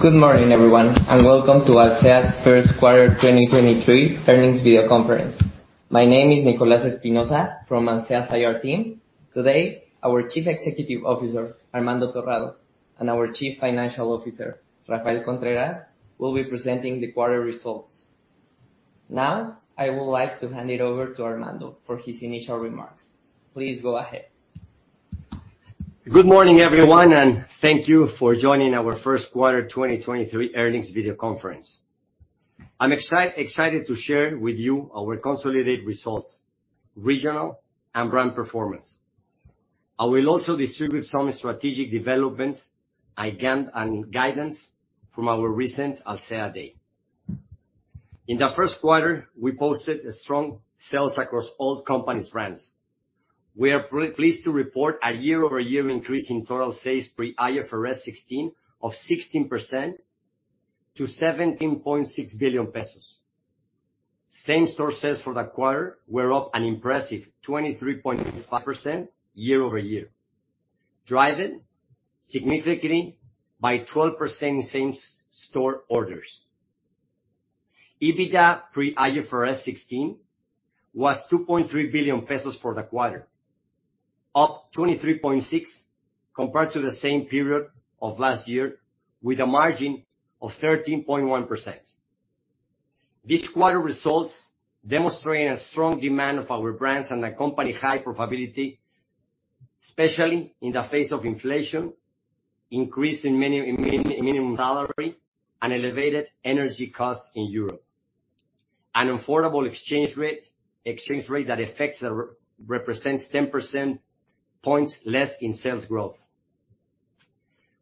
Good morning everyone, and welcome to Alsea's first quarter 2023 earnings video conference. My name is Nicolás' Espinoza from Alsea's IR team. Today, our Chief Executive Officer, Armando Torrado, and our Chief Financial Officer, Rafael Contreras, will be presenting the quarter results. Now, I would like to hand it over to Armando for his initial remarks. Please go ahead. Good morning everyone, and thank you for joining our first quarter 2023 earnings video conference. I'm excited to share with you our consolidated results, regional and brand performance. I will also distribute some strategic developments and guidance from our recent Alsea Day. In the first quarter, we posted strong sales across all company's brands. We are pleased to report a year-over-year increase in total sales pre IFRS 16 of 16% to 17.6 billion pesos. Same-store sales for the quarter were up an impressive 23.5% year-over-year, driven significantly by 12% same-store orders. EBITDA pre IFRS 16 was 2.3 billion pesos for the quarter, up 23.6% compared to the same period of last year with a margin of 13.1%. These quarter results demonstrate a strong demand of our brands and the company high profitability, especially in the face of inflation, increase in minimum salary, and elevated energy costs in Europe. An affordable exchange rate that represents 10% points less in sales growth.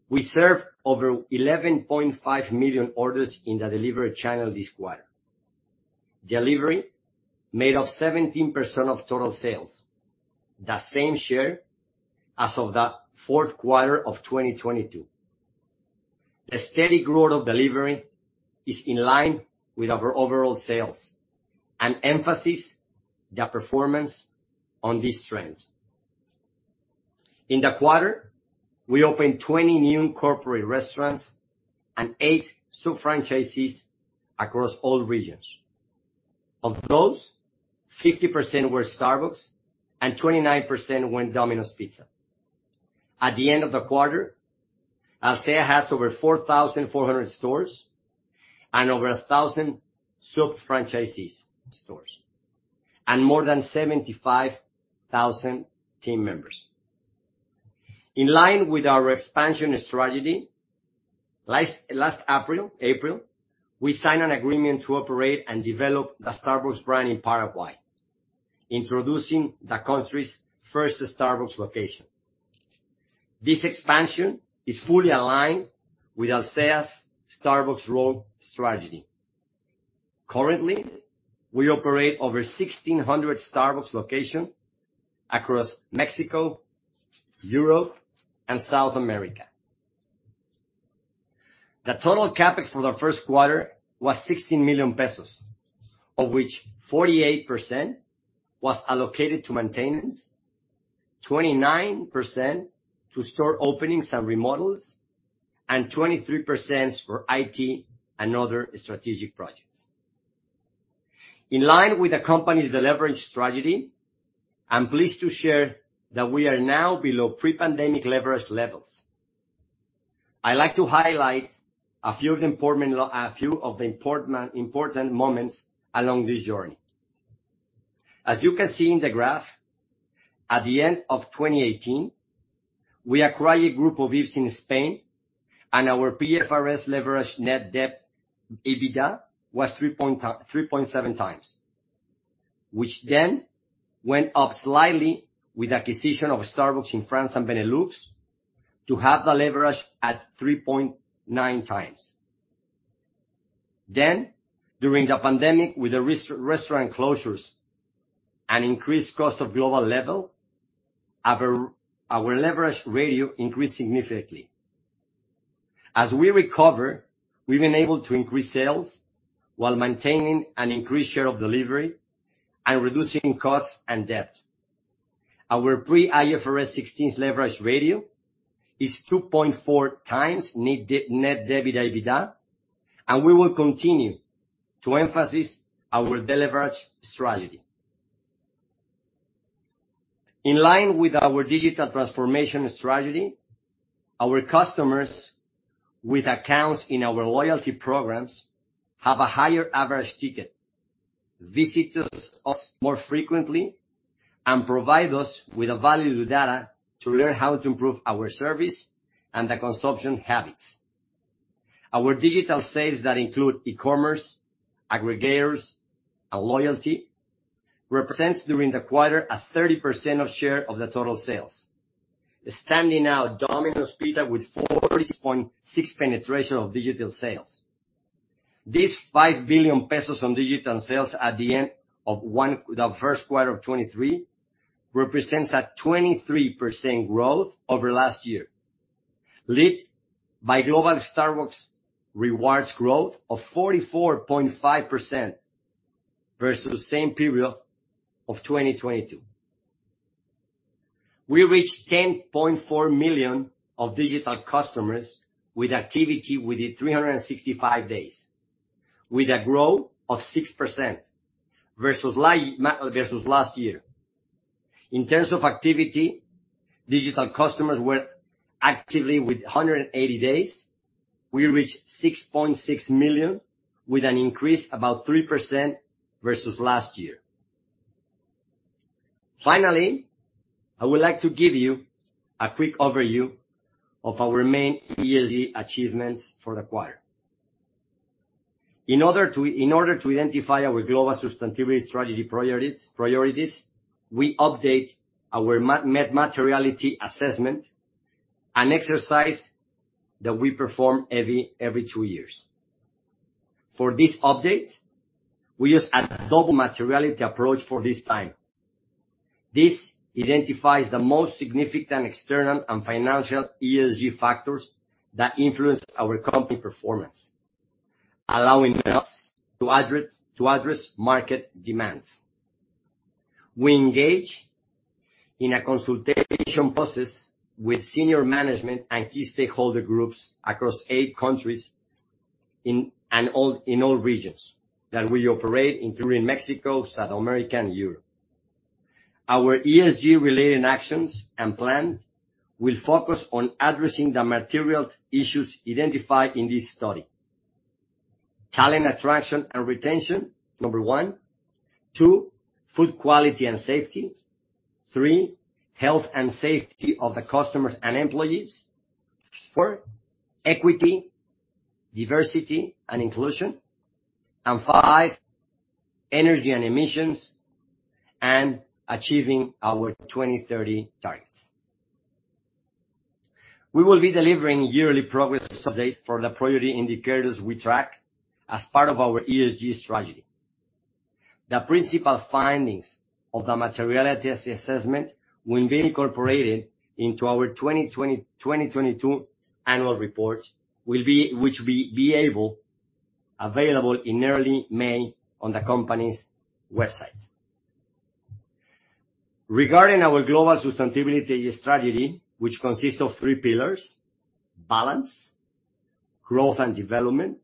We served over 11.5 million orders in the delivery channel this quarter. Delivery made up 17% of total sales, the same share as of the fourth quarter of 2022. The steady growth of delivery is in line with our overall sales and emphasis the performance on this trend. In the quarter, we opened 20 new corporate restaurants and eight sub-franchisees across all regions. Of those, 50% were Starbucks and 29% were Domino's Pizza. At the end of the quarter, Alsea has over 4,400 stores and over 1,000 sub-franchisees stores, and more than 75,000 team members. In line with our expansion strategy, last April, we signed an agreement to operate and develop the Starbucks brand in Paraguay, introducing the country's first Starbucks location. This expansion is fully aligned with Alsea's Starbucks role strategy. Currently, we operate over 1,600 Starbucks location across Mexico, Europe, and South America. The total CapEx for the first quarter was 16 million pesos, of which 48% was allocated to maintenance, 29% to store openings and remodels, and 23% for IT and other strategic projects. In line with the company's leverage strategy, I'm pleased to share that we are now below pre-pandemic leverage levels. I like to highlight a few of the important moments along this journey. As you can see in the graph, at the end of 2018, we acquired Grupo Vips in Spain, and our IFRS leverage net debt EBITDA was 3.7 times, which then went up slightly with acquisition of Starbucks in France and Benelux to have the leverage at 3.9 times. During the pandemic with the restaurant closures and increased cost of global level, our leverage ratio increased significantly. As we recover, we've been able to increase sales while maintaining an increased share of delivery and reducing costs and debt. Our pre IFRS 16 leverage ratio is 2.4 times net debt EBITDA, and we will continue to emphasize our deleverage strategy. In line with our digital transformation strategy, our customers with accounts in our loyalty programs have a higher average ticket, visitors us more frequently, and provide us with a valuable data to learn how to improve our service and the consumption habits. Our digital sales that include e-commerce, aggregators, and loyalty represents during the quarter a 30% of share of the total sales. Standing out Domino's Pizza with 40.6 penetration of digital sales. These 5 billion pesos on digital sales at the end of the first quarter of 2023 represents a 23% growth over last year, lead by global Starbucks Rewards growth of 44.5% versus the same period of 2022. We reached 10.4 million of digital customers with activity within 365 days, with a growth of 6% versus last year. In terms of activity, digital customers were actively with 180 days. We reached 6.6 million, with an increase about 3% versus last year. Finally, I would like to give you a quick overview of our main ESG achievements for the quarter. In order to identify our global sustainability strategy priorities, we update our materiality assessment, an exercise that we perform every two years. For this update, we use a double materiality approach for this time. This identifies the most significant external and financial ESG factors that influence our company performance, allowing us to address market demands. We engage in a consultation process with senior management and key stakeholder groups across eight countries in all regions that we operate, including Mexico, South America, and Europe. Our ESG related actions and plans will focus on addressing the material issues identified in this study. Talent attraction and retention, number one, two, food quality and safety, three, health and safety of the customers and employees, four, equity, diversity, and inclusion, and five, energy and emissions and achieving our 2030 targets. We will be delivering yearly progress updates for the priority indicators we track as part of our ESG strategy. The principal findings of the materiality assessment will be incorporated into our 2022 annual report, which will be available in early May on the company's website. Regarding our global sustainability strategy, which consists of three pillars: balance, growth, and development.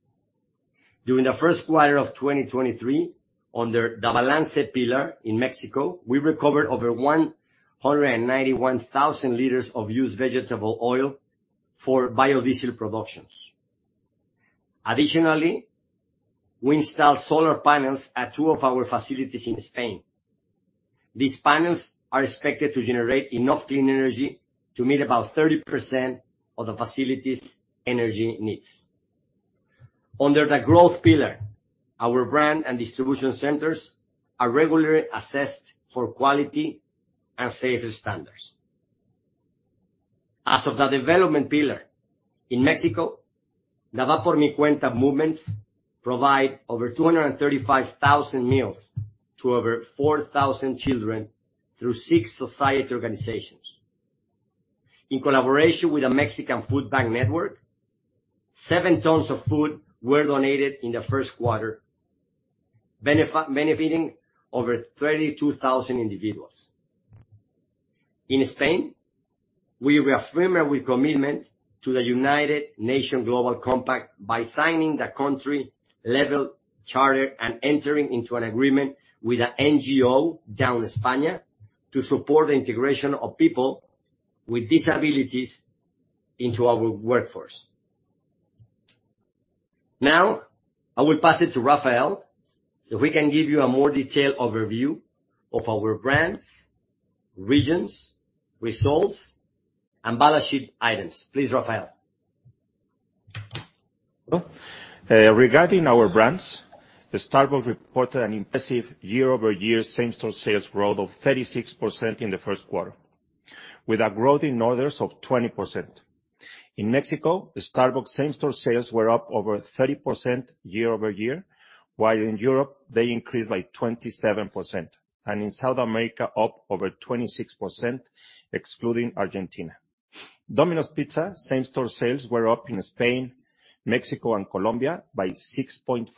During the first quarter of 2023, under the balance pillar in Mexico, we recovered over 191,000 liters of used vegetable oil for biodiesel productions. Additionally, we installed solar panels at two of our facilities in Spain. These panels are expected to generate enough clean energy to meet about 30% of the facilities' energy needs. Under the growth pillar, our brand and distribution centers are regularly assessed for quality and safety standards. As of the development pillar, in Mexico, the Va por Mi Cuenta movements provide over 235,000 meals to over 4,000 children through six society organizations. In collaboration with the Mexican Food Bank network, 7 tons of food were donated in the first quarter, benefiting over 32,000 individuals. In Spain, we reaffirm our commitment to the United Nations Global Compact by signing the country-level charter and entering into an agreement with the NGO Down España to support the integration of people with disabilities into our workforce. I will pass it to Rafael, so he can give you a more detailed overview of our brands, regions, results, and balance sheet items. Please Rafael. Regarding our brands, Starbucks reported an impressive year-over-year same-store sales growth of 36% in the first quarter, with a growth in orders of 20%. In Mexico, the Starbucks same-store sales were up over 30% year-over-year, while in Europe, they increased by 27%, and in South America up over 26%, excluding Argentina. Domino's Pizza same-store sales were up in Spain, Mexico, and Colombia by 6.4%,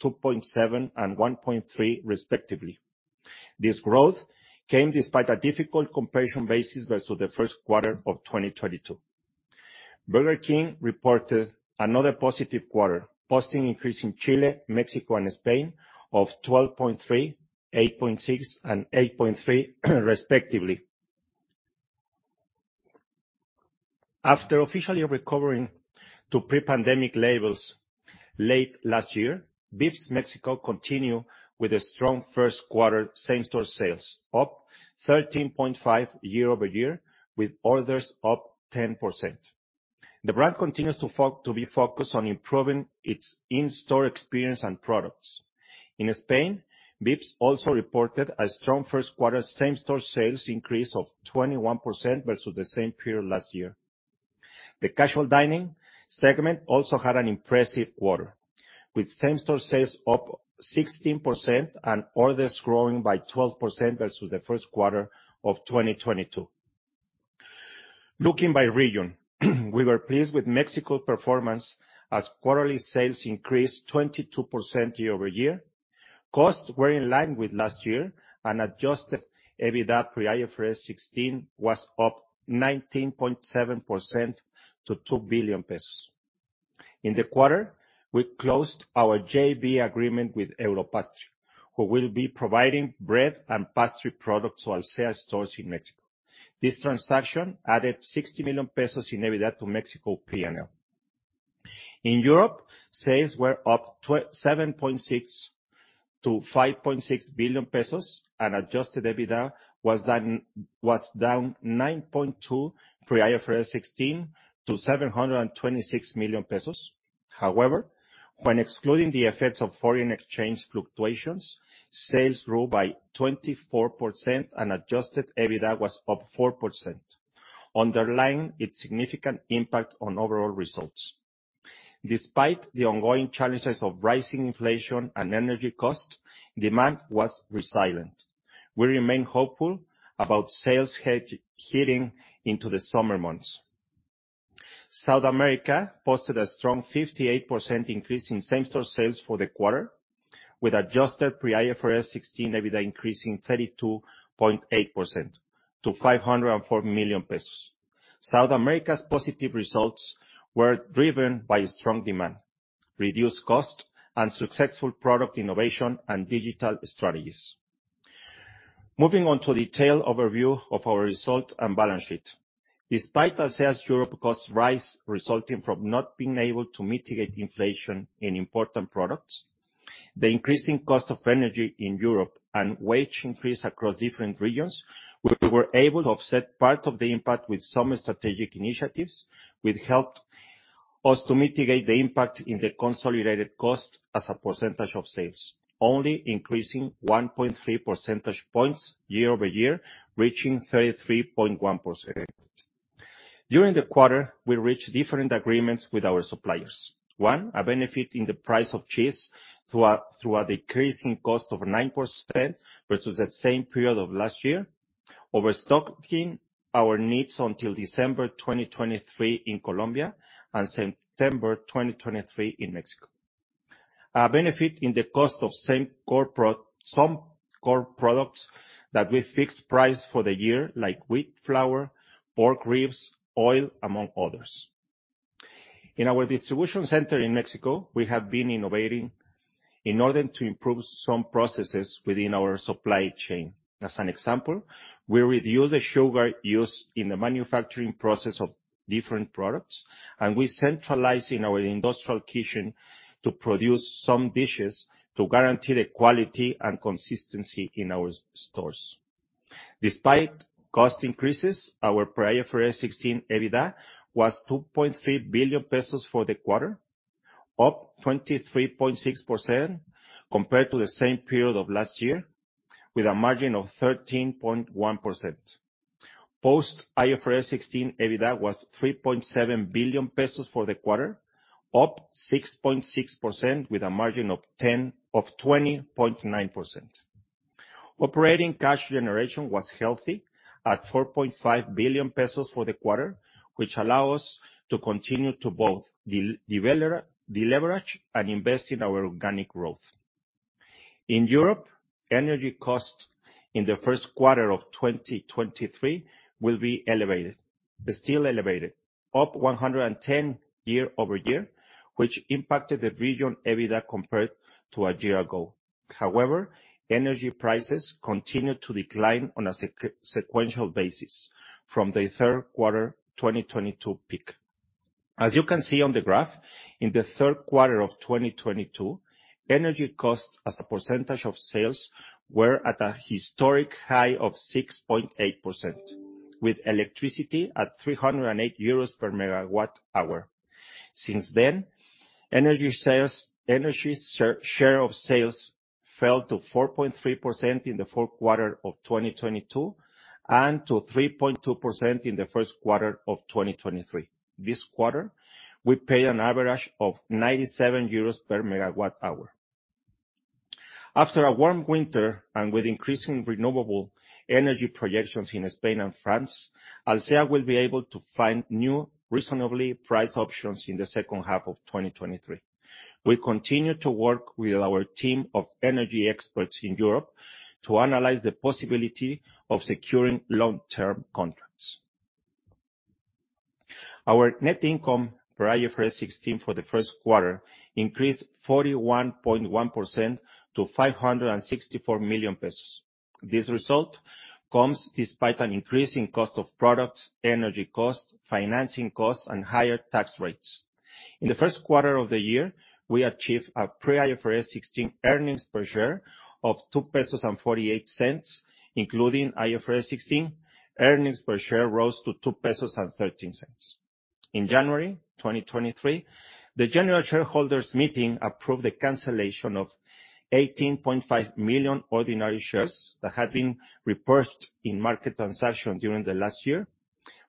2.7%, and 1.3%, respectively. This growth came despite a difficult comparison basis versus the first quarter of 2022. Burger King reported another positive quarter, posting increase in Chile, Mexico, and Spain of 12.3%, 8.6%, and 8.3% respectively. After officially recovering to pre-pandemic levels late last year, Vips Mexico continue with a strong first quarter same-store sales, up 13.5% year-over-year, with orders up 10%. The brand continues to be focused on improving its in-store experience and products. In Spain, Vips also reported a strong first quarter same-store sales increase of 21% versus the same period last year. The casual dining segment also had an impressive quarter, with same-store sales up 16% and orders growing by 12% versus the first quarter of 2022. Looking by region, we were pleased with Mexico's performance as quarterly sales increased 22% year-over-year. Costs were in line with last year, and adjusted EBITDA pre-IFRS 16 was up 19.7% to 2 billion pesos. In the quarter, we closed our JV agreement with Europastry, who will be providing bread and pastry products to Alsea stores in Mexico. This transaction added 60 million pesos in EBITDA to Mexico PNL. In Europe, sales were up 7.6 billion-5.6 billion pesos, and adjusted EBITDA was down 9.2% pre-IFRS 16 to 726 million pesos. However, when excluding the effects of foreign exchange fluctuations, sales grew by 24% and adjusted EBITDA was up 4%, underlying its significant impact on overall results. Despite the ongoing challenges of rising inflation and energy costs, demand was resilient. We remain hopeful about sales heading into the summer months. South America, posted a strong 58% increase in same-store sales for the quarter, with adjusted pre-IFRS 16 EBITDA increasing 32.8% to 504 million pesos. South America's positive results were driven by strong demand, reduced costs, and successful product innovation and digital strategies. Moving on to detailed overview of our result and balance sheet. Despite Alsea's Europe costs rise resulting from not being able to mitigate inflation in important products, the increasing cost of energy in Europe and wage increase across different regions, we were able to offset part of the impact with some strategic initiatives which helped us to mitigate the impact in the consolidated cost as a percentage of sales, only increasing 1.3 percentage points year-over-year, reaching 33.1%. During the quarter, we reached different agreements with our suppliers. One, a benefit in the price of cheese through a decreasing cost of 9% versus that same period of last year. Over stocking our needs until December 2023 in Colombia and September 2023 in Mexico. Our benefit in the cost of some core products that we fixed price for the year, like wheat flour, pork ribs, oil, among others. In our distribution center in Mexico, we have been innovating in order to improve some processes within our supply chain. As an example, we reduced the sugar used in the manufacturing process of different products, and we centralize in our industrial kitchen to produce some dishes to guarantee the quality and consistency in our stores. Despite cost increases, our pre-IFRS 16 EBITDA was 2.3 billion pesos for the quarter, up 23.6% compared to the same period of last year, with a margin of 13.1%. Post IFRS 16, EBITDA was 3.7 billion pesos for the quarter, up 6.6% with a margin of 20.9%. Operating cash generation was healthy at 4.5 billion pesos for the quarter, which allow us to continue to both deleverage and invest in our organic growth. In Europe, energy costs in the first quarter of 2023 will be elevated. Still elevated, up 110% year-over-year, which impacted the region EBITDA compared to a year ago. Energy prices continued to decline on a sequential basis from the third quarter of 2022 peak. You can see on the graph, in the third quarter of 2022, energy costs as a percentage of sales were at a historic high of 6.8%, with electricity at 308 euros per megawatt hour. Since then, energy share of sales fell to 4.3% in the fourth quarter of 2022, and to 3.2% in the first quarter of 2023. This quarter, we paid an average of 97 euros per megawatt hour. After a warm winter and with increasing renewable energy projections in Spain and France, Alsea will be able to find new reasonably priced options in the second half of 2023. We continue to work with our team of energy experts in Europe to analyze the possibility of securing long-term contracts. Our net income for IFRS 16 for the first quarter increased 41.1% to 564 million pesos. This result comes despite an increase in cost of products, energy costs, financing costs, and higher tax rates. In the first quarter of the year, we achieved a pre-IFRS 16 earnings per share of 2.48 pesos, including IFRS 16. Earnings per share rose to 2.13 pesos. In January 2023, the general shareholders' meeting approved the cancellation of 18.5 million ordinary shares that had been repurchased in market transaction during the last year,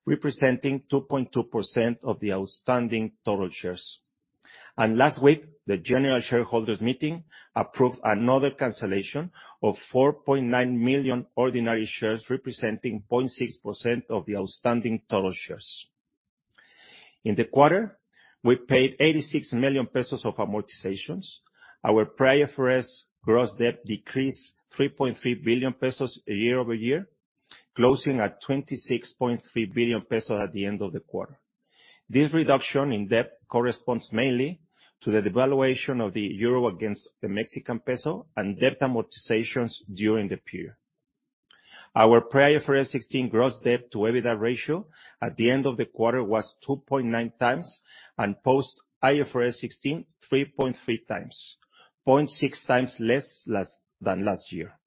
representing 2.2% of the outstanding total shares, and last week, the general shareholders' meeting approved another cancellation of 4.9 million ordinary shares, representing 0.6% of the outstanding total shares. In the quarter, we paid 86 million pesos of amortizations. Our pre-IFRS gross debt decreased 3.3 billion pesos year-over-year, closing at 26.3 billion pesos at the end of the quarter. This reduction in debt corresponds mainly to the devaluation of the euro against the Mexican peso and debt amortizations during the period. Our pre-IFRS 16 gross debt to EBITDA ratio at the end of the quarter was 2.9 times, and post IFRS 16, 3.3 times. 0.6 times less than last year.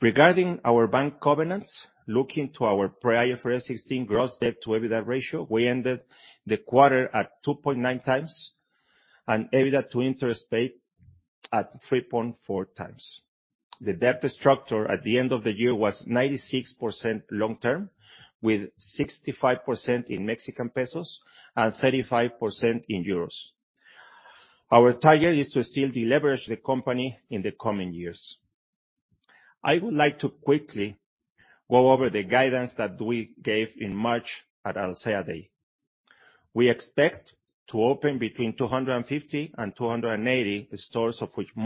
Regarding our bank covenants, looking to our pre-IFRS 16 gross debt to EBITDA ratio, we ended the quarter at 2.9 times, and EBITDA to interest paid at 3.4 times. The debt structure at the end of the year was 96% long-term, with 65% in Mexican pesos and 35% in euros. Our target is to still deleverage the company in the coming years. I would like to quickly go over the guidance that we gave in March at Alsea Day. We expect to open between 250 and 280 stores, of which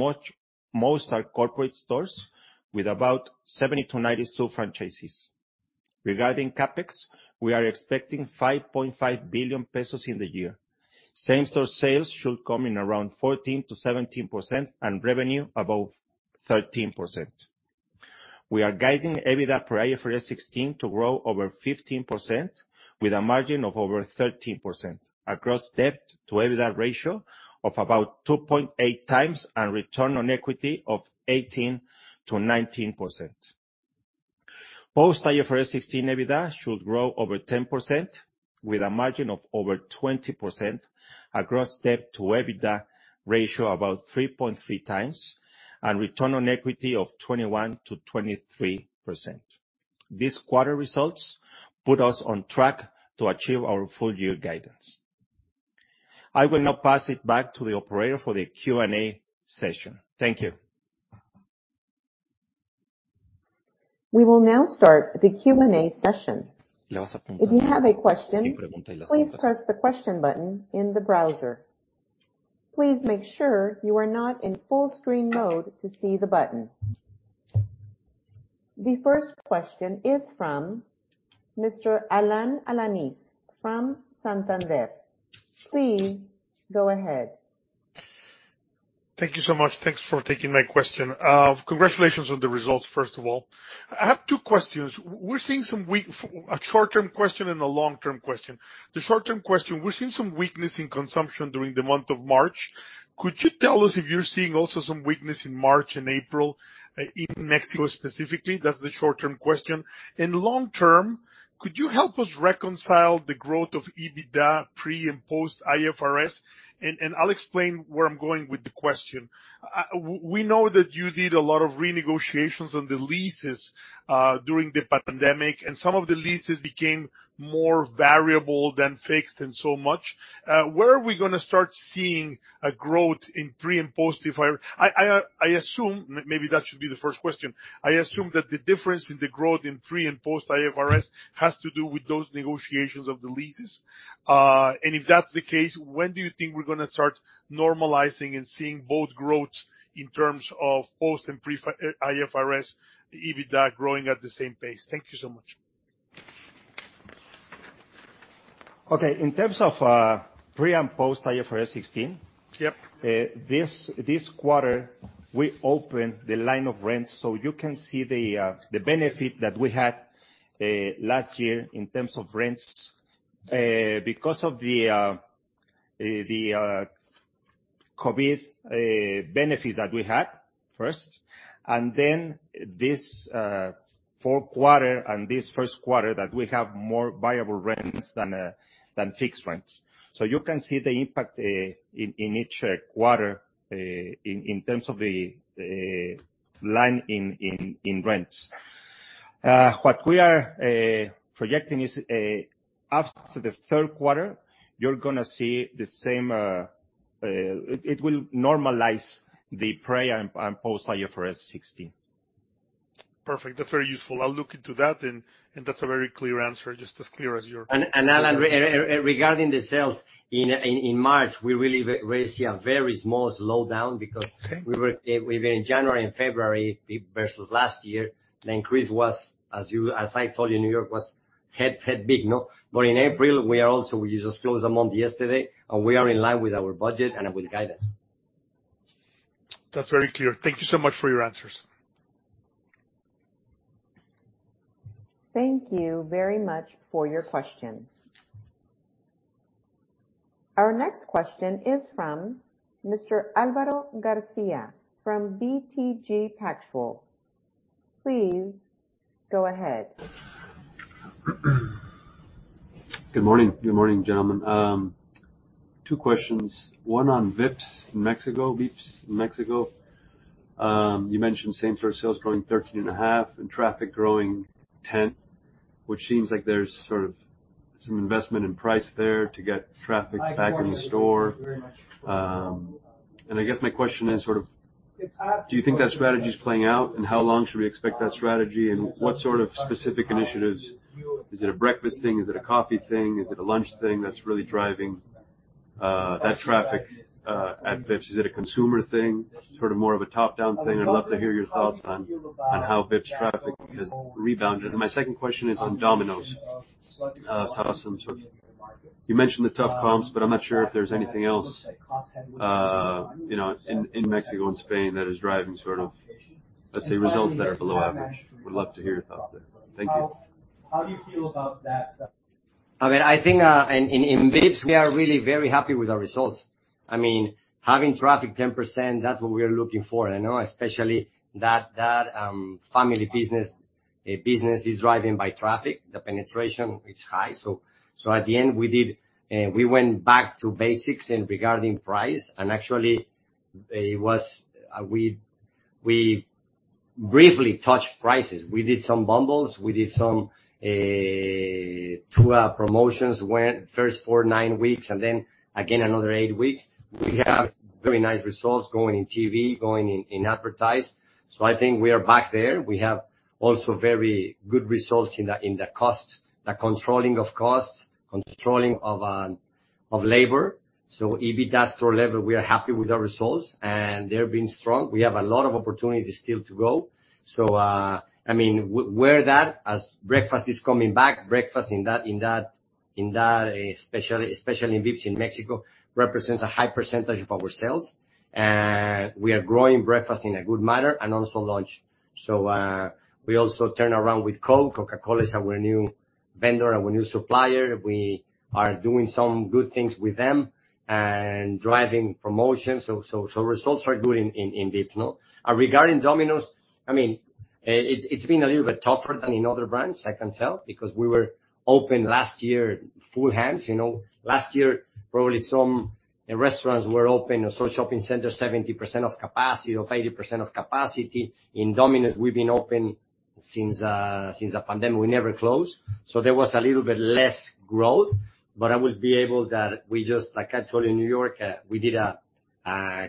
most are corporate stores, with about 70-90 store franchises. Regarding CapEx, we are expecting 5.5 billion pesos in the year. Same-store sales should come in around 14%-17% and revenue above 13%. We are guiding EBITDA per IFRS 16 to grow over 15% with a margin of over 13%. Our gross debt to EBITDA ratio of about 2.8x and return on equity of 18%-19%. Post IFRS 16 EBITDA should grow over 10% with a margin of over 20%. Our gross debt to EBITDA ratio about 3.3x and return on equity of 21%-23%. These quarter results put us on track to achieve our full-year guidance. I will now pass it back to the operator for the Q&A session. Thank you. We will now start the Q&A session. If you have a question, please press the question button in the browser. Please make sure you are not in full screen mode to see the button. The first question is from Mr. Alan Alanis from Santander. Please go ahead. Thank you so much. Thanks for taking my question. Congratulations on the results, first of all. I have two questions. We're seeing some weak f... A short-term question and a long-term question. The short-term question, we're seeing some weakness in consumption during the month of March. Could you tell us if you're seeing also some weakness in March and April in Mexico specifically? That's the short-term question. In long-term, could you help us reconcile the growth of EBITDA pre and post IFRS? I'll explain where I'm going with the question. We know that you did a lot of renegotiations on the leases during the pandemic, and some of the leases became more variable than fixed and so much. Where are we gonna start seeing a growth in pre and post IFRS? I assume... Maybe that should be the first question. I assume that the difference in the growth in pre and post IFRS has to do with those negotiations of the leases. If that's the case, when do you think we're gonna start normalizing and seeing both growth in terms of post and pre-IFRS, the EBITDA growing at the same pace? Thank you so much. Okay. In terms of pre and post IFRS 16- Yep. This quarter, we opened the line of rents. You can see the benefit that we had last year in terms of rents. Because of the COVID benefits that we had first, and then this fourth quarter and this first quarter that we have more viable rents than fixed rents. You can see the impact in each quarter in terms of the line in rents. What we are projecting is after the third quarter, you're gonna see the same. It will normalize the pre and post IFRS 16. Perfect. That's very useful. I'll look into that, and that's a very clear answer. Just as clear as your- Alan, regarding the sales, in March, we really raised a very small slowdown. Okay. We were, within January and February versus last year, the increase was, as you, as I told you, New York was head big, no. In April, we are also. We just closed the month yesterday, and we are in line with our budget and with guidance. That's very clear. Thank you so much for your answers. Thank you very much for your question. Our next question is from Mr. Alvaro Garcia from BTG Pactual. Please go ahead. Good morning. Good morning, gentlemen. Two questions; One on Vips in Mexico, Vips in Mexico. You mentioned same-store sales growing 13.5 and traffic growing 10, which seems like there's sort of some investment in price there to get traffic back in the store. I guess my question is sort of, do you think that strategy is playing out, and how long should we expect that strategy? What sort of specific initiatives? Is it a breakfast thing? Is it a coffee thing? Is it a lunch thing that's really driving that traffic at Vips? Is it a consumer thing? Sort of more of a top-down thing. I'd love to hear your thoughts on how Vips traffic has rebounded. My second question is on Domino's, so I'll ask some sort of... You mentioned the tough comps, but I'm not sure if there's anything else, you know, in Mexico and Spain that is driving sort of, let's say, results that are below average. Would love to hear your thoughts there. Thank you. How do you feel about that? I mean, I think, in Vips, we are really very happy with our results. I mean, having traffic 10%, that's what we're looking for, you know, especially that family business is driving by traffic. The penetration is high. At the end we did, we went back to basics in regarding price, and actually we briefly touched prices. We did some bundles. We did some, two promotions, when first four, nine weeks and then again another eight weeks. We have very nice results going in TV, going in advertise. I think we are back there. We have also very good results in the costs, the controlling of costs, controlling of labor. EBITDA store level, we are happy with our results, and they're being strong. We have a lot of opportunities still to grow. I mean, breakfast is coming back, breakfast in that, especially in Vips in Mexico, represents a high percentage of our sales. We are growing breakfast in a good manner and also lunch. We also turn around with Coke. Coca-Cola is our new vendor, our new supplier. We are doing some good things with them and driving promotions. Results are good in Vips, you know. Regarding Domino's, I mean, it's been a little bit tougher than in other brands, I can tell, because we were open last year full hands, you know. Last year, probably some restaurants were open or some shopping centers 70% of capacity or 80% of capacity. In Domino's, we've been open since the pandemic. We never closed. There was a little bit less growth. I would be able that Like I told you, in New York, we did a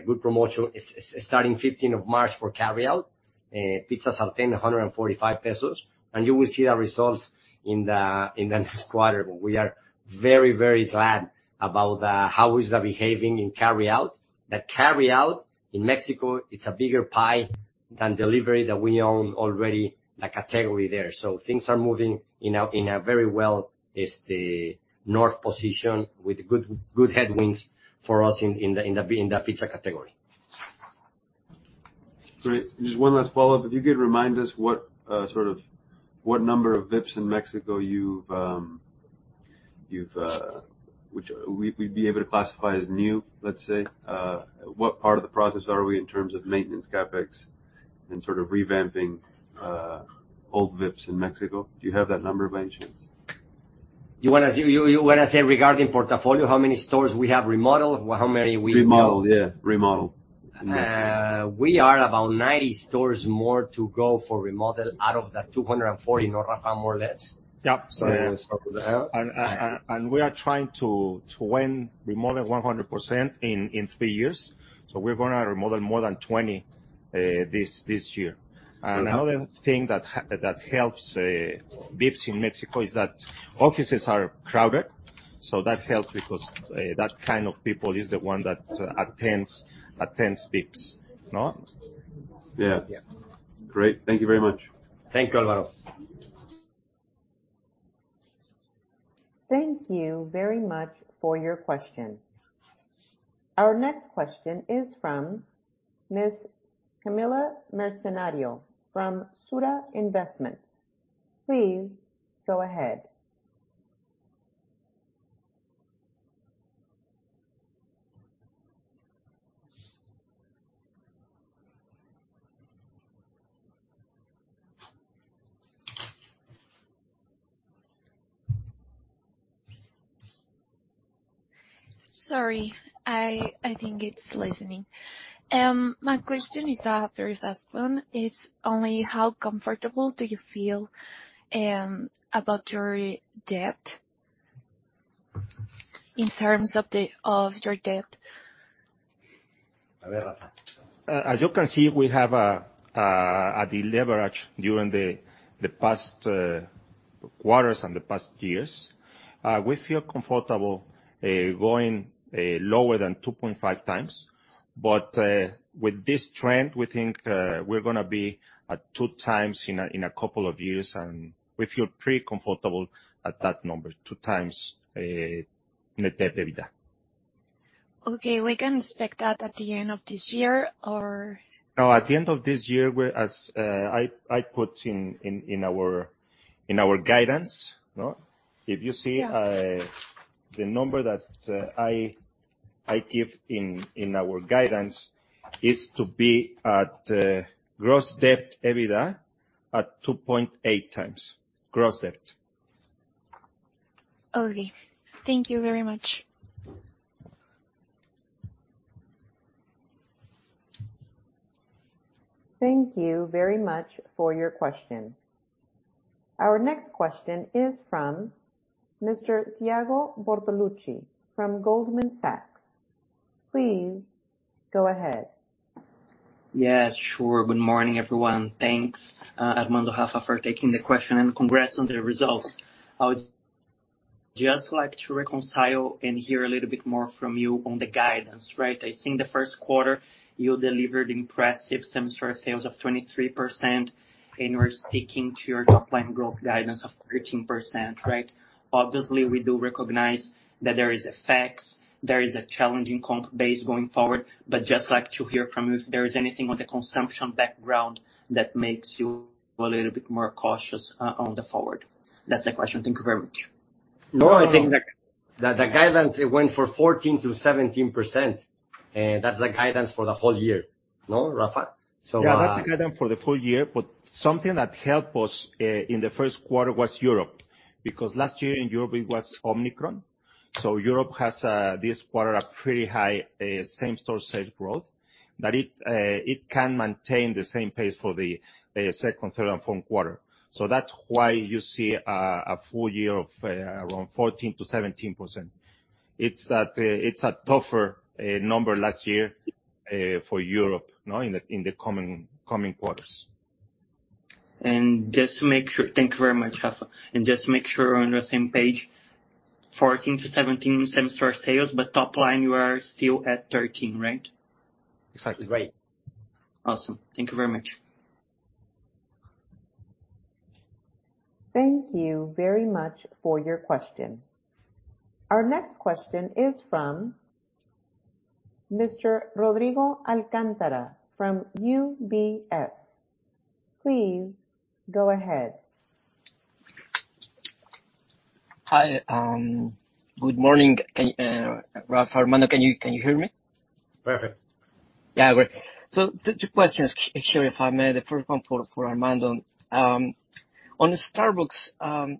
good promotion starting 15 of March for carryout. Pizzas are 1,045 pesos, and you will see the results in the next quarter. We are very glad about how is that behaving in carryout. The carryout in Mexico, it's a bigger pie than delivery that we own already the category there. Things are moving in a very well as the north position with good headwinds for us in the pizza category. Great. Just one last follow-up. If you could remind us what sort of what number of Vips in Mexico you've, which we'd be able to classify as new, let's say. What part of the process are we in terms of maintenance CapEx and sort of revamping old Vips in Mexico? Do you have that number by any chance? You wanna say regarding portfolio, how many stores we have remodeled? Remodeled, yeah. Remodeled. We are about 90 stores more to go for remodel out of that 240, Rafa, more or less. Yep. Sorry to interrupt. We are trying to win remodel 100% in three years, so we're gonna remodel more than 20 this year. Okay. Another thing that helps Vips in Mexico is that offices are crowded. That helps because that kind of people is the one that attends Vips, no? Yeah. Yeah. Great. Thank you very much. Thank you Alvaro. Thank you very much for your question. Our next question is from Miss Kamila Mercenario from SURA Investments. Please go ahead. Sorry, I think it's listening. My question is a very fast one. It's only how comfortable do you feel about your debt? In terms of your debt. A ver, Rafa. As you can see, we have a deleverage during the past quarters and the past years. We feel comfortable going lower than 2.5 times. With this trend, we think we're gonna be at two times in a couple of years, and we feel pretty comfortable at that number, two times net debt/EBITDA. Okay. We can expect that at the end of this year or? No, at the end of this year, we're as I put in our guidance. No? Yeah. If you see, the number that I give in our guidance is to be at gross debt EBITDA at 2.8 times gross debt. Okay. Thank you very much. Thank you very much for your question. Our next question is from Mr. Thiago Bortolucci from Goldman Sachs. Please go ahead. Yes, sure. Good morning, everyone. Thanks, Armando, Rafa, for taking the question, and congrats on the results. I would just like to reconcile and hear a little bit more from you on the guidance, right? I think the first quarter you delivered impressive same-store sales of 23%, and you're sticking to your top-line growth guidance of 13%, right? Obviously, we do recognize that there is effects, there is a challenging comp base going forward. Just like to hear from you if there is anything on the consumption background that makes you a little bit more cautious on the forward. That's the question. Thank you very much. No, I think that the guidance went for 14%-17%. That's the guidance for the whole year, no, Rafa? That's the guidance for the full year, but something that helped us in the first quarter was Europe, because last year in Europe, it was Omicron. Europe has this quarter a pretty high same-store sales growth that it can maintain the same pace for the second, third, and fourth quarter. That's why you see a full year of around 14%-17%. It's that it's a tougher number last year for Europe in the coming quarters. Thank you very much, Rafa. Just to make sure we're on the same page, 14%-17% same-store sales, but top line you are still at 13%, right? Exactly right. Awesome. Thank you very much. Thank you very much for your question. Our next question is from Mr. Rodrigo Alcántara from UBS. Please go ahead. Hi. good morning. Can, Raf, Armando, can you hear me? Perfect. Yeah, great. Two questions, actually, if I may. The first one for Armando. On Starbucks,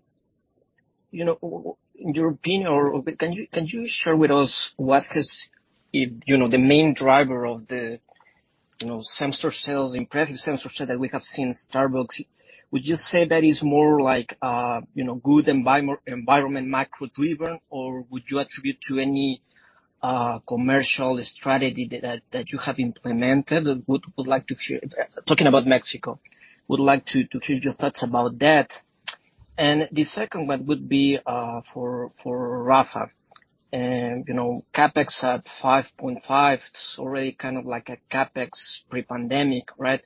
you know, in your opinion or can you share with us what has been, you know, the main driver of the, you know, same-store sales, impressive same-store sales that we have seen in Starbucks? Would you say that is more like, you know, good environment macro driven, or would you attribute to any commercial strategy that you have implemented? Would like to hear. Talking about Mexico. Would like to hear your thoughts about that. The second one would be for Rafa. You know, CapEx at 5.5, it's already kind of like a CapEx pre-pandemic, right?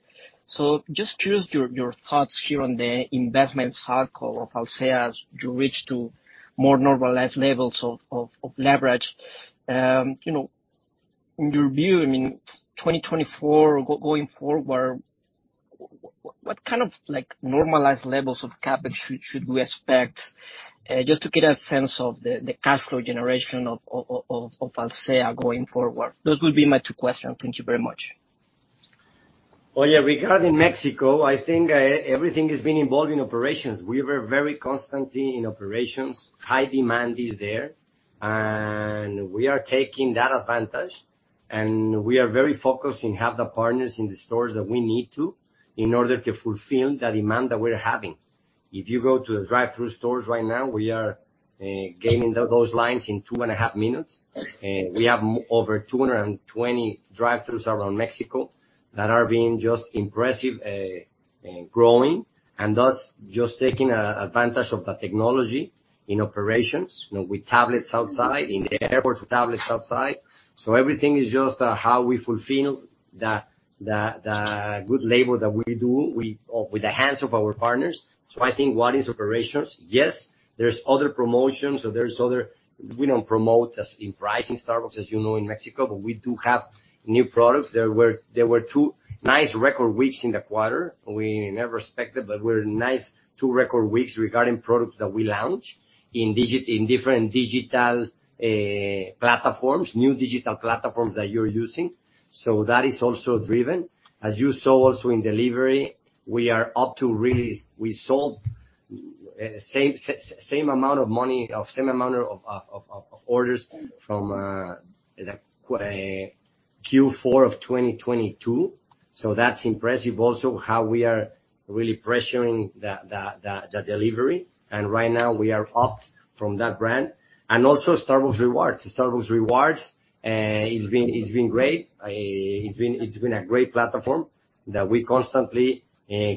Just curious your thoughts here on the investment cycle of Alsea as you reach to more normalized levels of leverage. You know, in your view, I mean, 2024 going forward, what kind of like normalized levels of CapEx should we expect just to get a sense of the cash flow generation of Alsea going forward? Those would be my two questions. Thank you very much. Oh yeah. Regarding Mexico, I think everything has been involved in operations. We were very constantly in operations. High demand is there, and we are taking that advantage, and we are very focused in have the partners in the stores that we need to in order to fulfill that demand that we're having. If you go to the drive-thru stores right now, we are gaining those lines in two and a half minutes. We have over 220 drive-thrus around Mexico that are being just impressive, growing, and thus just taking advantage of the technology in operations, you know, with tablets outside, in the airports with tablets outside. Everything is just how we fulfill the good labor that we do with the hands of our partners. I think one is operations. Yes, there's other promotions or there's other. We don't promote as in pricing Starbucks, as you know, in Mexico, but we do have new products. There were two nice record weeks in the quarter. We never expected, but were nice two record weeks regarding products that we launched in different digital platforms, new digital platforms that you're using. That is also driven. As you saw also in delivery, we are up to really, we sold same amount of money or same amount of orders from the Q4 of 2022. That's impressive also how we are really pressuring the delivery, and right now we are up from that brand. Also Starbucks Rewards. Starbucks Rewards, it's been great. It's been a great platform that we constantly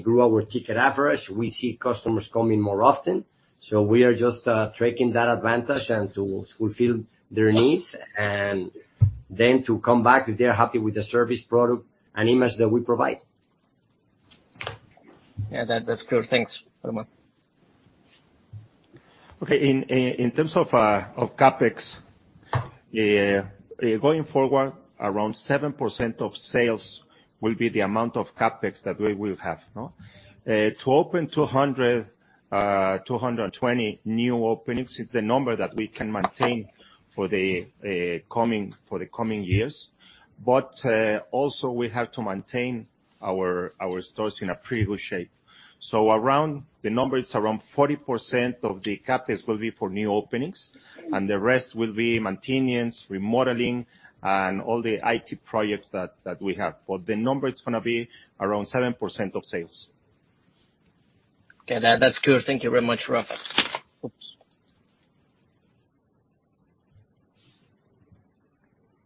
grew our ticket average. We see customers coming more often. We are just taking that advantage and to fulfill their needs and then to come back if they're happy with the service, product, and image that we provide. Yeah, that's clear. Thanks, Armando. Okay in terms of CapEx going forward, around 7% of sales will be the amount of CapEx that we will have, no? To open 220 new openings is the number that we can maintain for the coming years. Also we have to maintain our stores in a pretty good shape. Around, the number is around 40% of the CapEx will be for new openings, and the rest will be maintenance, remodeling, and all the IT projects that we have. The number, it's gonna be around 7% of sales. Okay, that's good. Thank you very much, Rafa. Oops.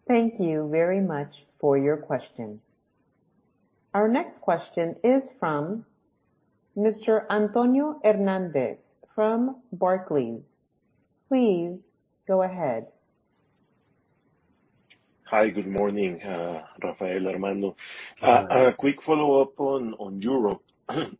Thank you very much for your question. Our next question is from Mr. Antonio Hernandez from Barclays. Please go ahead. Hi good morning Rafael, Armando. A quick follow-up on Europe.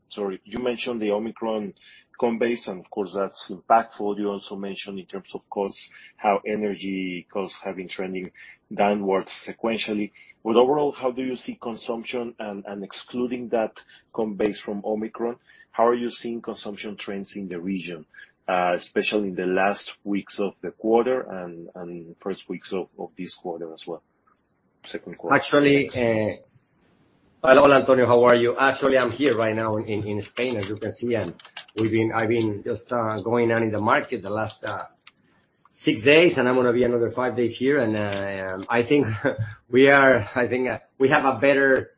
Sorry, You mentioned the Omicron comp base, and of course, that's impactful. You also mentioned in terms of costs, how energy costs have been trending downwards sequentially. Overall, how do you see consumption and excluding that comp base from Omicron, how are you seeing consumption trends in the region, especially in the last weeks of the quarter and first weeks of this quarter as well? Second quarter. Actually, Hello Antonio How are you? Actually, I'm here right now in Spain, as you can see, I've been just going out in the market the last six days, and I'm gonna be another five days here. I think we have a better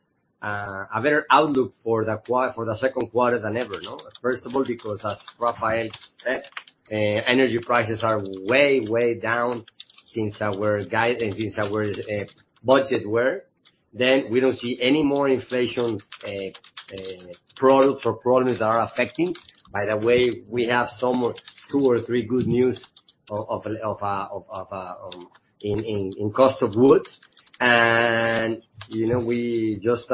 outlook for the second quarter than ever, no? First of all, because as Rafael said, energy prices are way down since our budget were. We don't see any more inflation problems or problems that are affecting. By the way, we have some, two or three good news in cost of goods. You know, we just.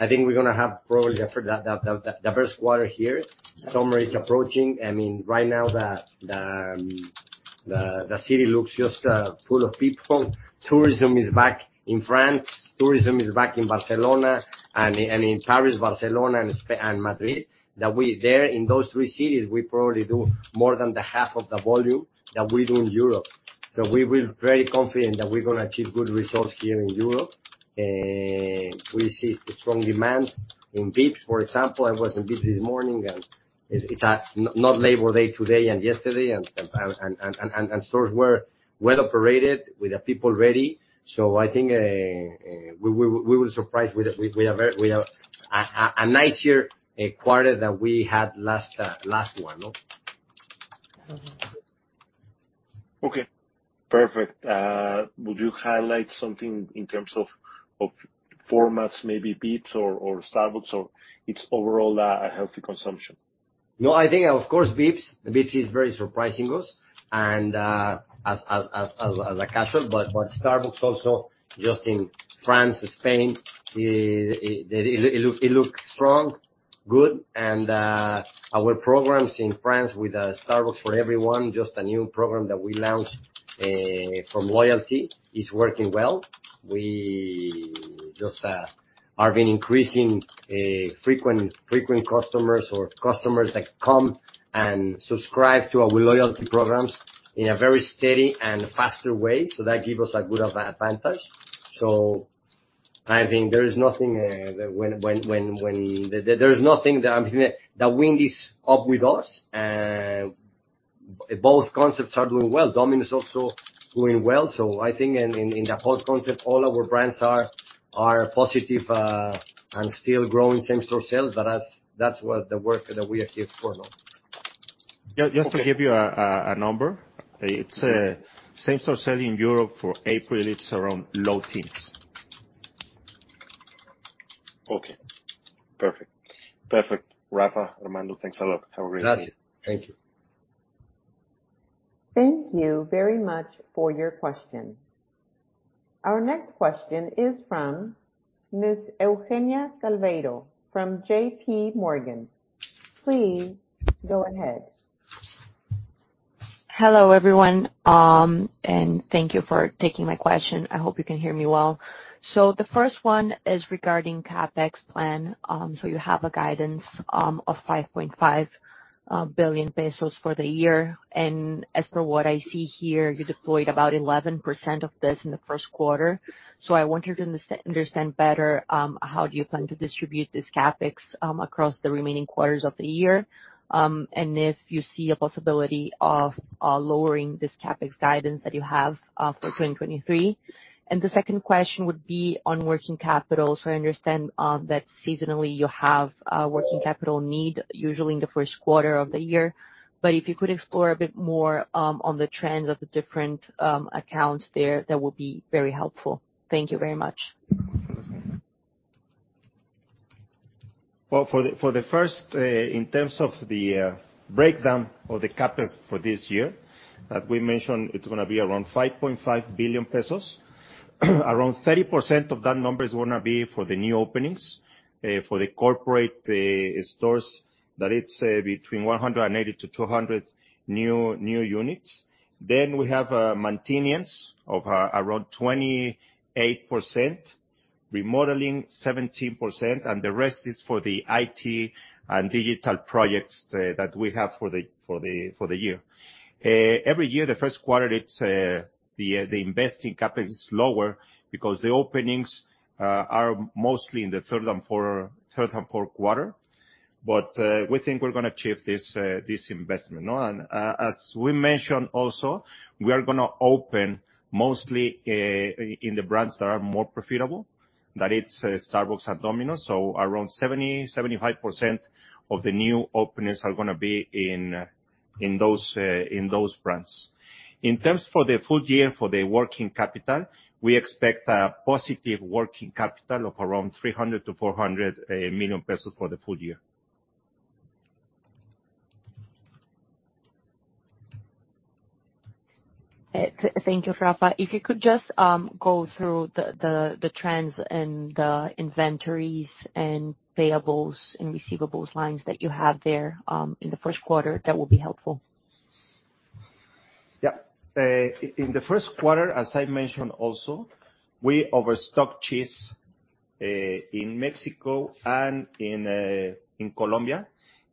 I think we're gonna have probably the best quarter here. Summer is approaching. I mean, right now, the city looks just full of people. Tourism is back in France. Tourism is back in Barcelona and in Paris, Barcelona, and Madrid. There, in those three cities, we probably do more than the half of the volume that we do in Europe. We're very confident that we're gonna achieve good results here in Europe. We see strong demands in Vips, for example. I was in Vips this morning, and it's not Labor Day today and yesterday, and stores were well operated. We have people ready. I think we will surprise with a... We have a nice year quarter than we had last one, no? Okay. Perfect. Would you highlight something in terms of formats, maybe Vips or Starbucks, or it's overall a healthy consumption? No I think of course Vips. Vips is very surprising us and, as a casual, but Starbucks also just in France, Spain, it look strong, good. Our programs in France with Starbucks For Everyone, just a new program that we launched from loyalty, is working well. We just have been increasing frequent customers or customers that come and subscribe to our loyalty programs in a very steady and faster way. That give us a good advantage. I think there is nothing. The wind is up with us, and both concepts are doing well. Dominos is also doing well. I think in the whole concept, all our brands are positive, and still growing same-store sales, but that's what the work that we achieve for now. Just to give you a number. It's same-store sales in Europe for April, it's around low teens. Okay. Perfect. Perfect Rafa, Armando, thanks a lot. Have a great day. Gracias. Thank you. Thank you very much for your question. Our next question is from Ms. Eugenia Cavalheiro from JPMorgan. Please go ahead. Hello everyone, and thank you for taking my question. I hope you can hear me well. The first one is regarding CapEx plan. You have a guidance of 5.5 billion pesos for the year. As per what I see here, you deployed about 11% of this in the first quarter. I wanted to understand better how do you plan to distribute this CapEx across the remaining quarters of the year, and if you see a possibility of lowering this CapEx guidance that you have for 2023. The second question would be on working capital. I understand that seasonally you have a working capital need, usually in the first quarter of the year. If you could explore a bit more, on the trends of the different accounts there, that would be very helpful. Thank you very much. Well, for the first in terms of the breakdown of the CapEx for this year, that we mentioned, it's gonna be around 5.5 billion pesos. Around 30% of that number is gonna be for the new openings, for the corporate stores, that it's between 180-200 new units, then we have maintenance around 28%. Remodeling 17%, and the rest is for the IT and digital projects that we have for the year. Every year, the first quarter it's the investing capital is lower because the openings are mostly in the third and fourth quarter, but we think we're gonna achieve this investment, no? As we mentioned also, we are gonna open mostly in the brands that are more profitable, that it's Starbucks and Domino's. Around 70%-75% of the new openings are gonna be in those brands. In terms for the full year, for the working capital, we expect a positive working capital of around 300 million-400 million pesos for the full year. Thank you Rafa. If you could just go through the trends and the inventories and payables and receivables lines that you have there, in the first quarter, that will be helpful. In the first quarter, as I mentioned also, we overstocked cheese in Mexico and in Colombia.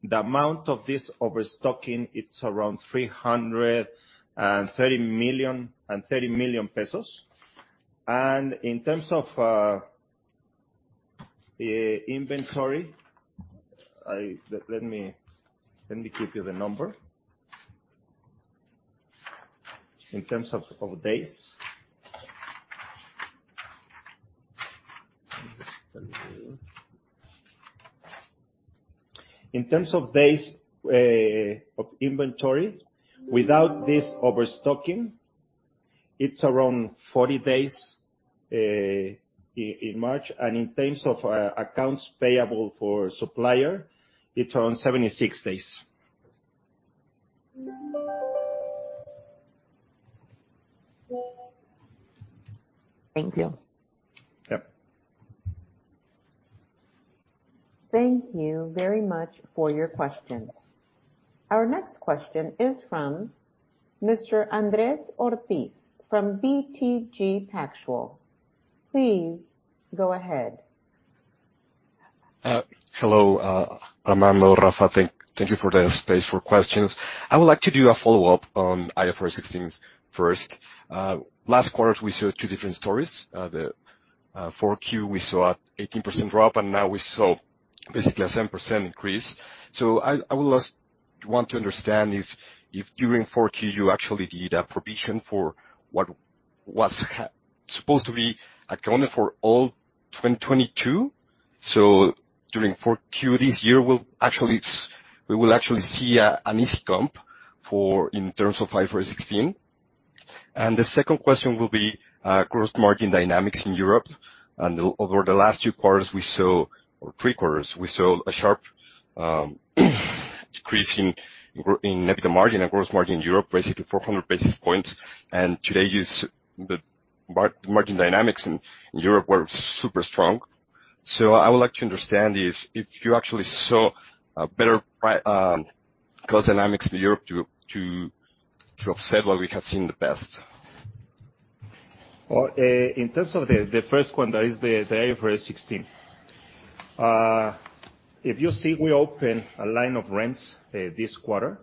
The amount of this overstocking, it's around 330 million MXN pesos. In terms of inventory, let me give you the number. In terms of days. In terms of days of inventory, without this overstocking, it's around 40 days in March. In terms of accounts payable for supplier, it's around 76 days. Thank you. Yep. Thank you very much for your question. Our next question is from Mr. Andres Ortiz from BTG Pactual. Please go ahead. Hello Armando, Rafa. Thank you for the space for questions. I would like to do a follow-up on IFRS 16 first. Last quarter, we saw two different stories. The 4Q, we saw 18% drop, now we saw basically a 10% increase. I will just want to understand if during 4Q, you actually did a provision for what was supposed to be accounted for all 2022. During 4Q this year, we will actually see an easy comp for in terms of IFRS 16. The second question will be gross margin dynamics in Europe. Over the last two quarters, we saw a sharp decrease in EBITDA margin and gross margin in Europe, basically 400 basis points. Today you the margin dynamics in Europe were super strong. I would like to understand is if you actually saw a better cost dynamics in Europe to offset what we have seen the past. In terms of the first one, that is the IFRS 16. If you see we opened a line of rents this quarter.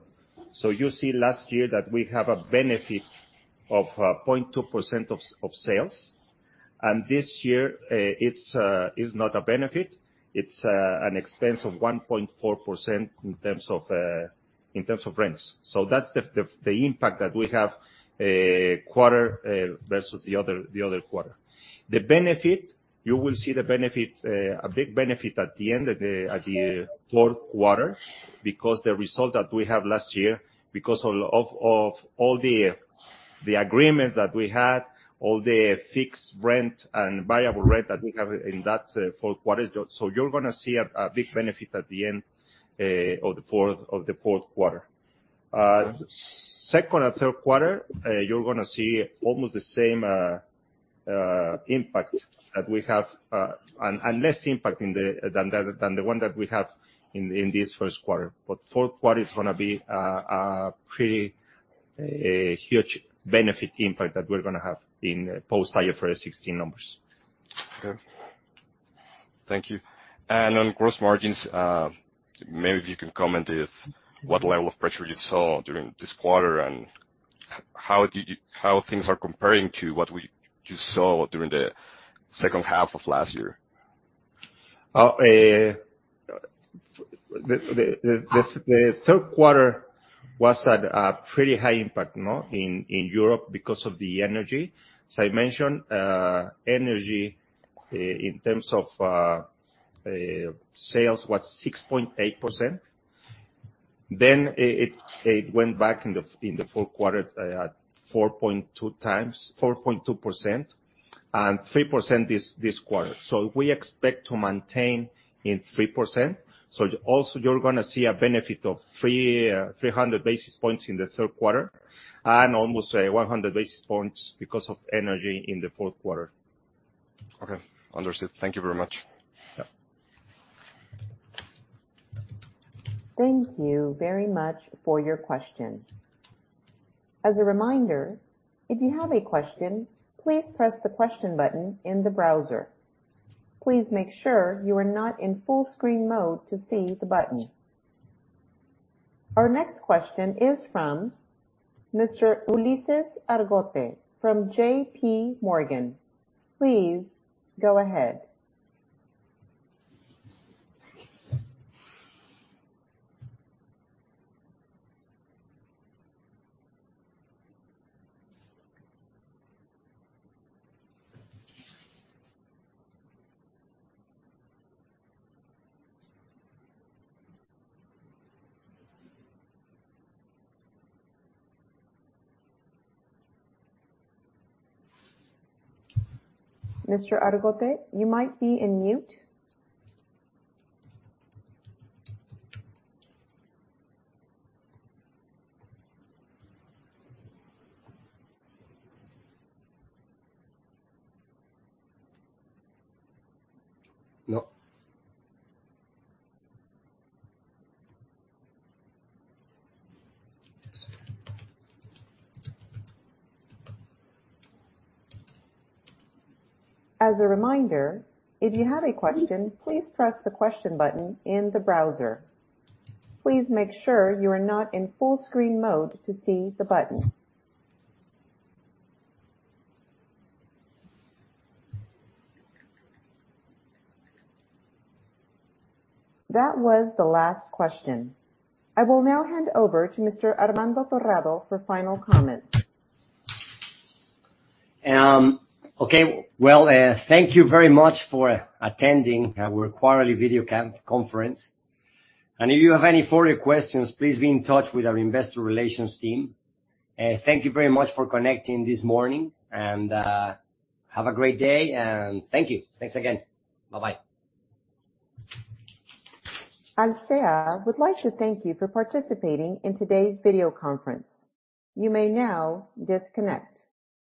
You see last year that we have a benefit of 0.2% of sales, and this year, it's not a benefit. It's an expense of 1.4% in terms of rents. So that's the impact that we have quarter versus the other quarter. The benefit, you will see the benefit, a big benefit at the end of the fourth quarter, because the result that we have last year, because of all the agreements that we had, all the fixed rent and variable rent that we have in that fourth quarter. You're gonna see a big benefit at the end of the fourth quarter. Second and third quarter, you're gonna see almost the same impact that we have, and less impact than the one that we have in this first quarter, but fourth quarter is gonna be a pretty huge benefit impact that we're gonna have in post IFRS 16 numbers. Okay Thank you. On gross margins, maybe if you can comment if what level of pressure you saw during this quarter and how things are comparing to what we just saw during the second half of last year? The third quarter was at a pretty high impact, no. In Europe because of the energy. As I mentioned, energy in terms of sales was 6.8%. It went back in the fourth quarter at 4.2 times, 4.2% and 3% this quarter. We expect to maintain in 3%. Also you're gonna see a benefit of 300 basis points in the third quarter and almost 100 basis points because of energy in the fourth quarter. Okay. Understood. Thank you very much. Yeah. Thank you very much for your question. As a reminder, if you have a question, please press the question button in the browser. Please make sure you are not in full screen mode to see the button. Our next question is from Mr. Ulises Argote from JPMorgan. Please go ahead. Mr. Argote, you might be in mute. No. As a reminder, if you have a question, please press the question button in the browser. Please make sure you are not in full screen mode to see the button. That was the last question. I will now hand over to Mr. Armando Torrado for final comments. Okay. Well, thank you very much for attending our quarterly video conference. If you have any further questions, please be in touch with our investor relations team. Thank you very much for connecting this morning, and have a great day, and thank you. Thanks again. Bye-bye. Alsea would like to thank you for participating in today's video conference. You may now disconnect.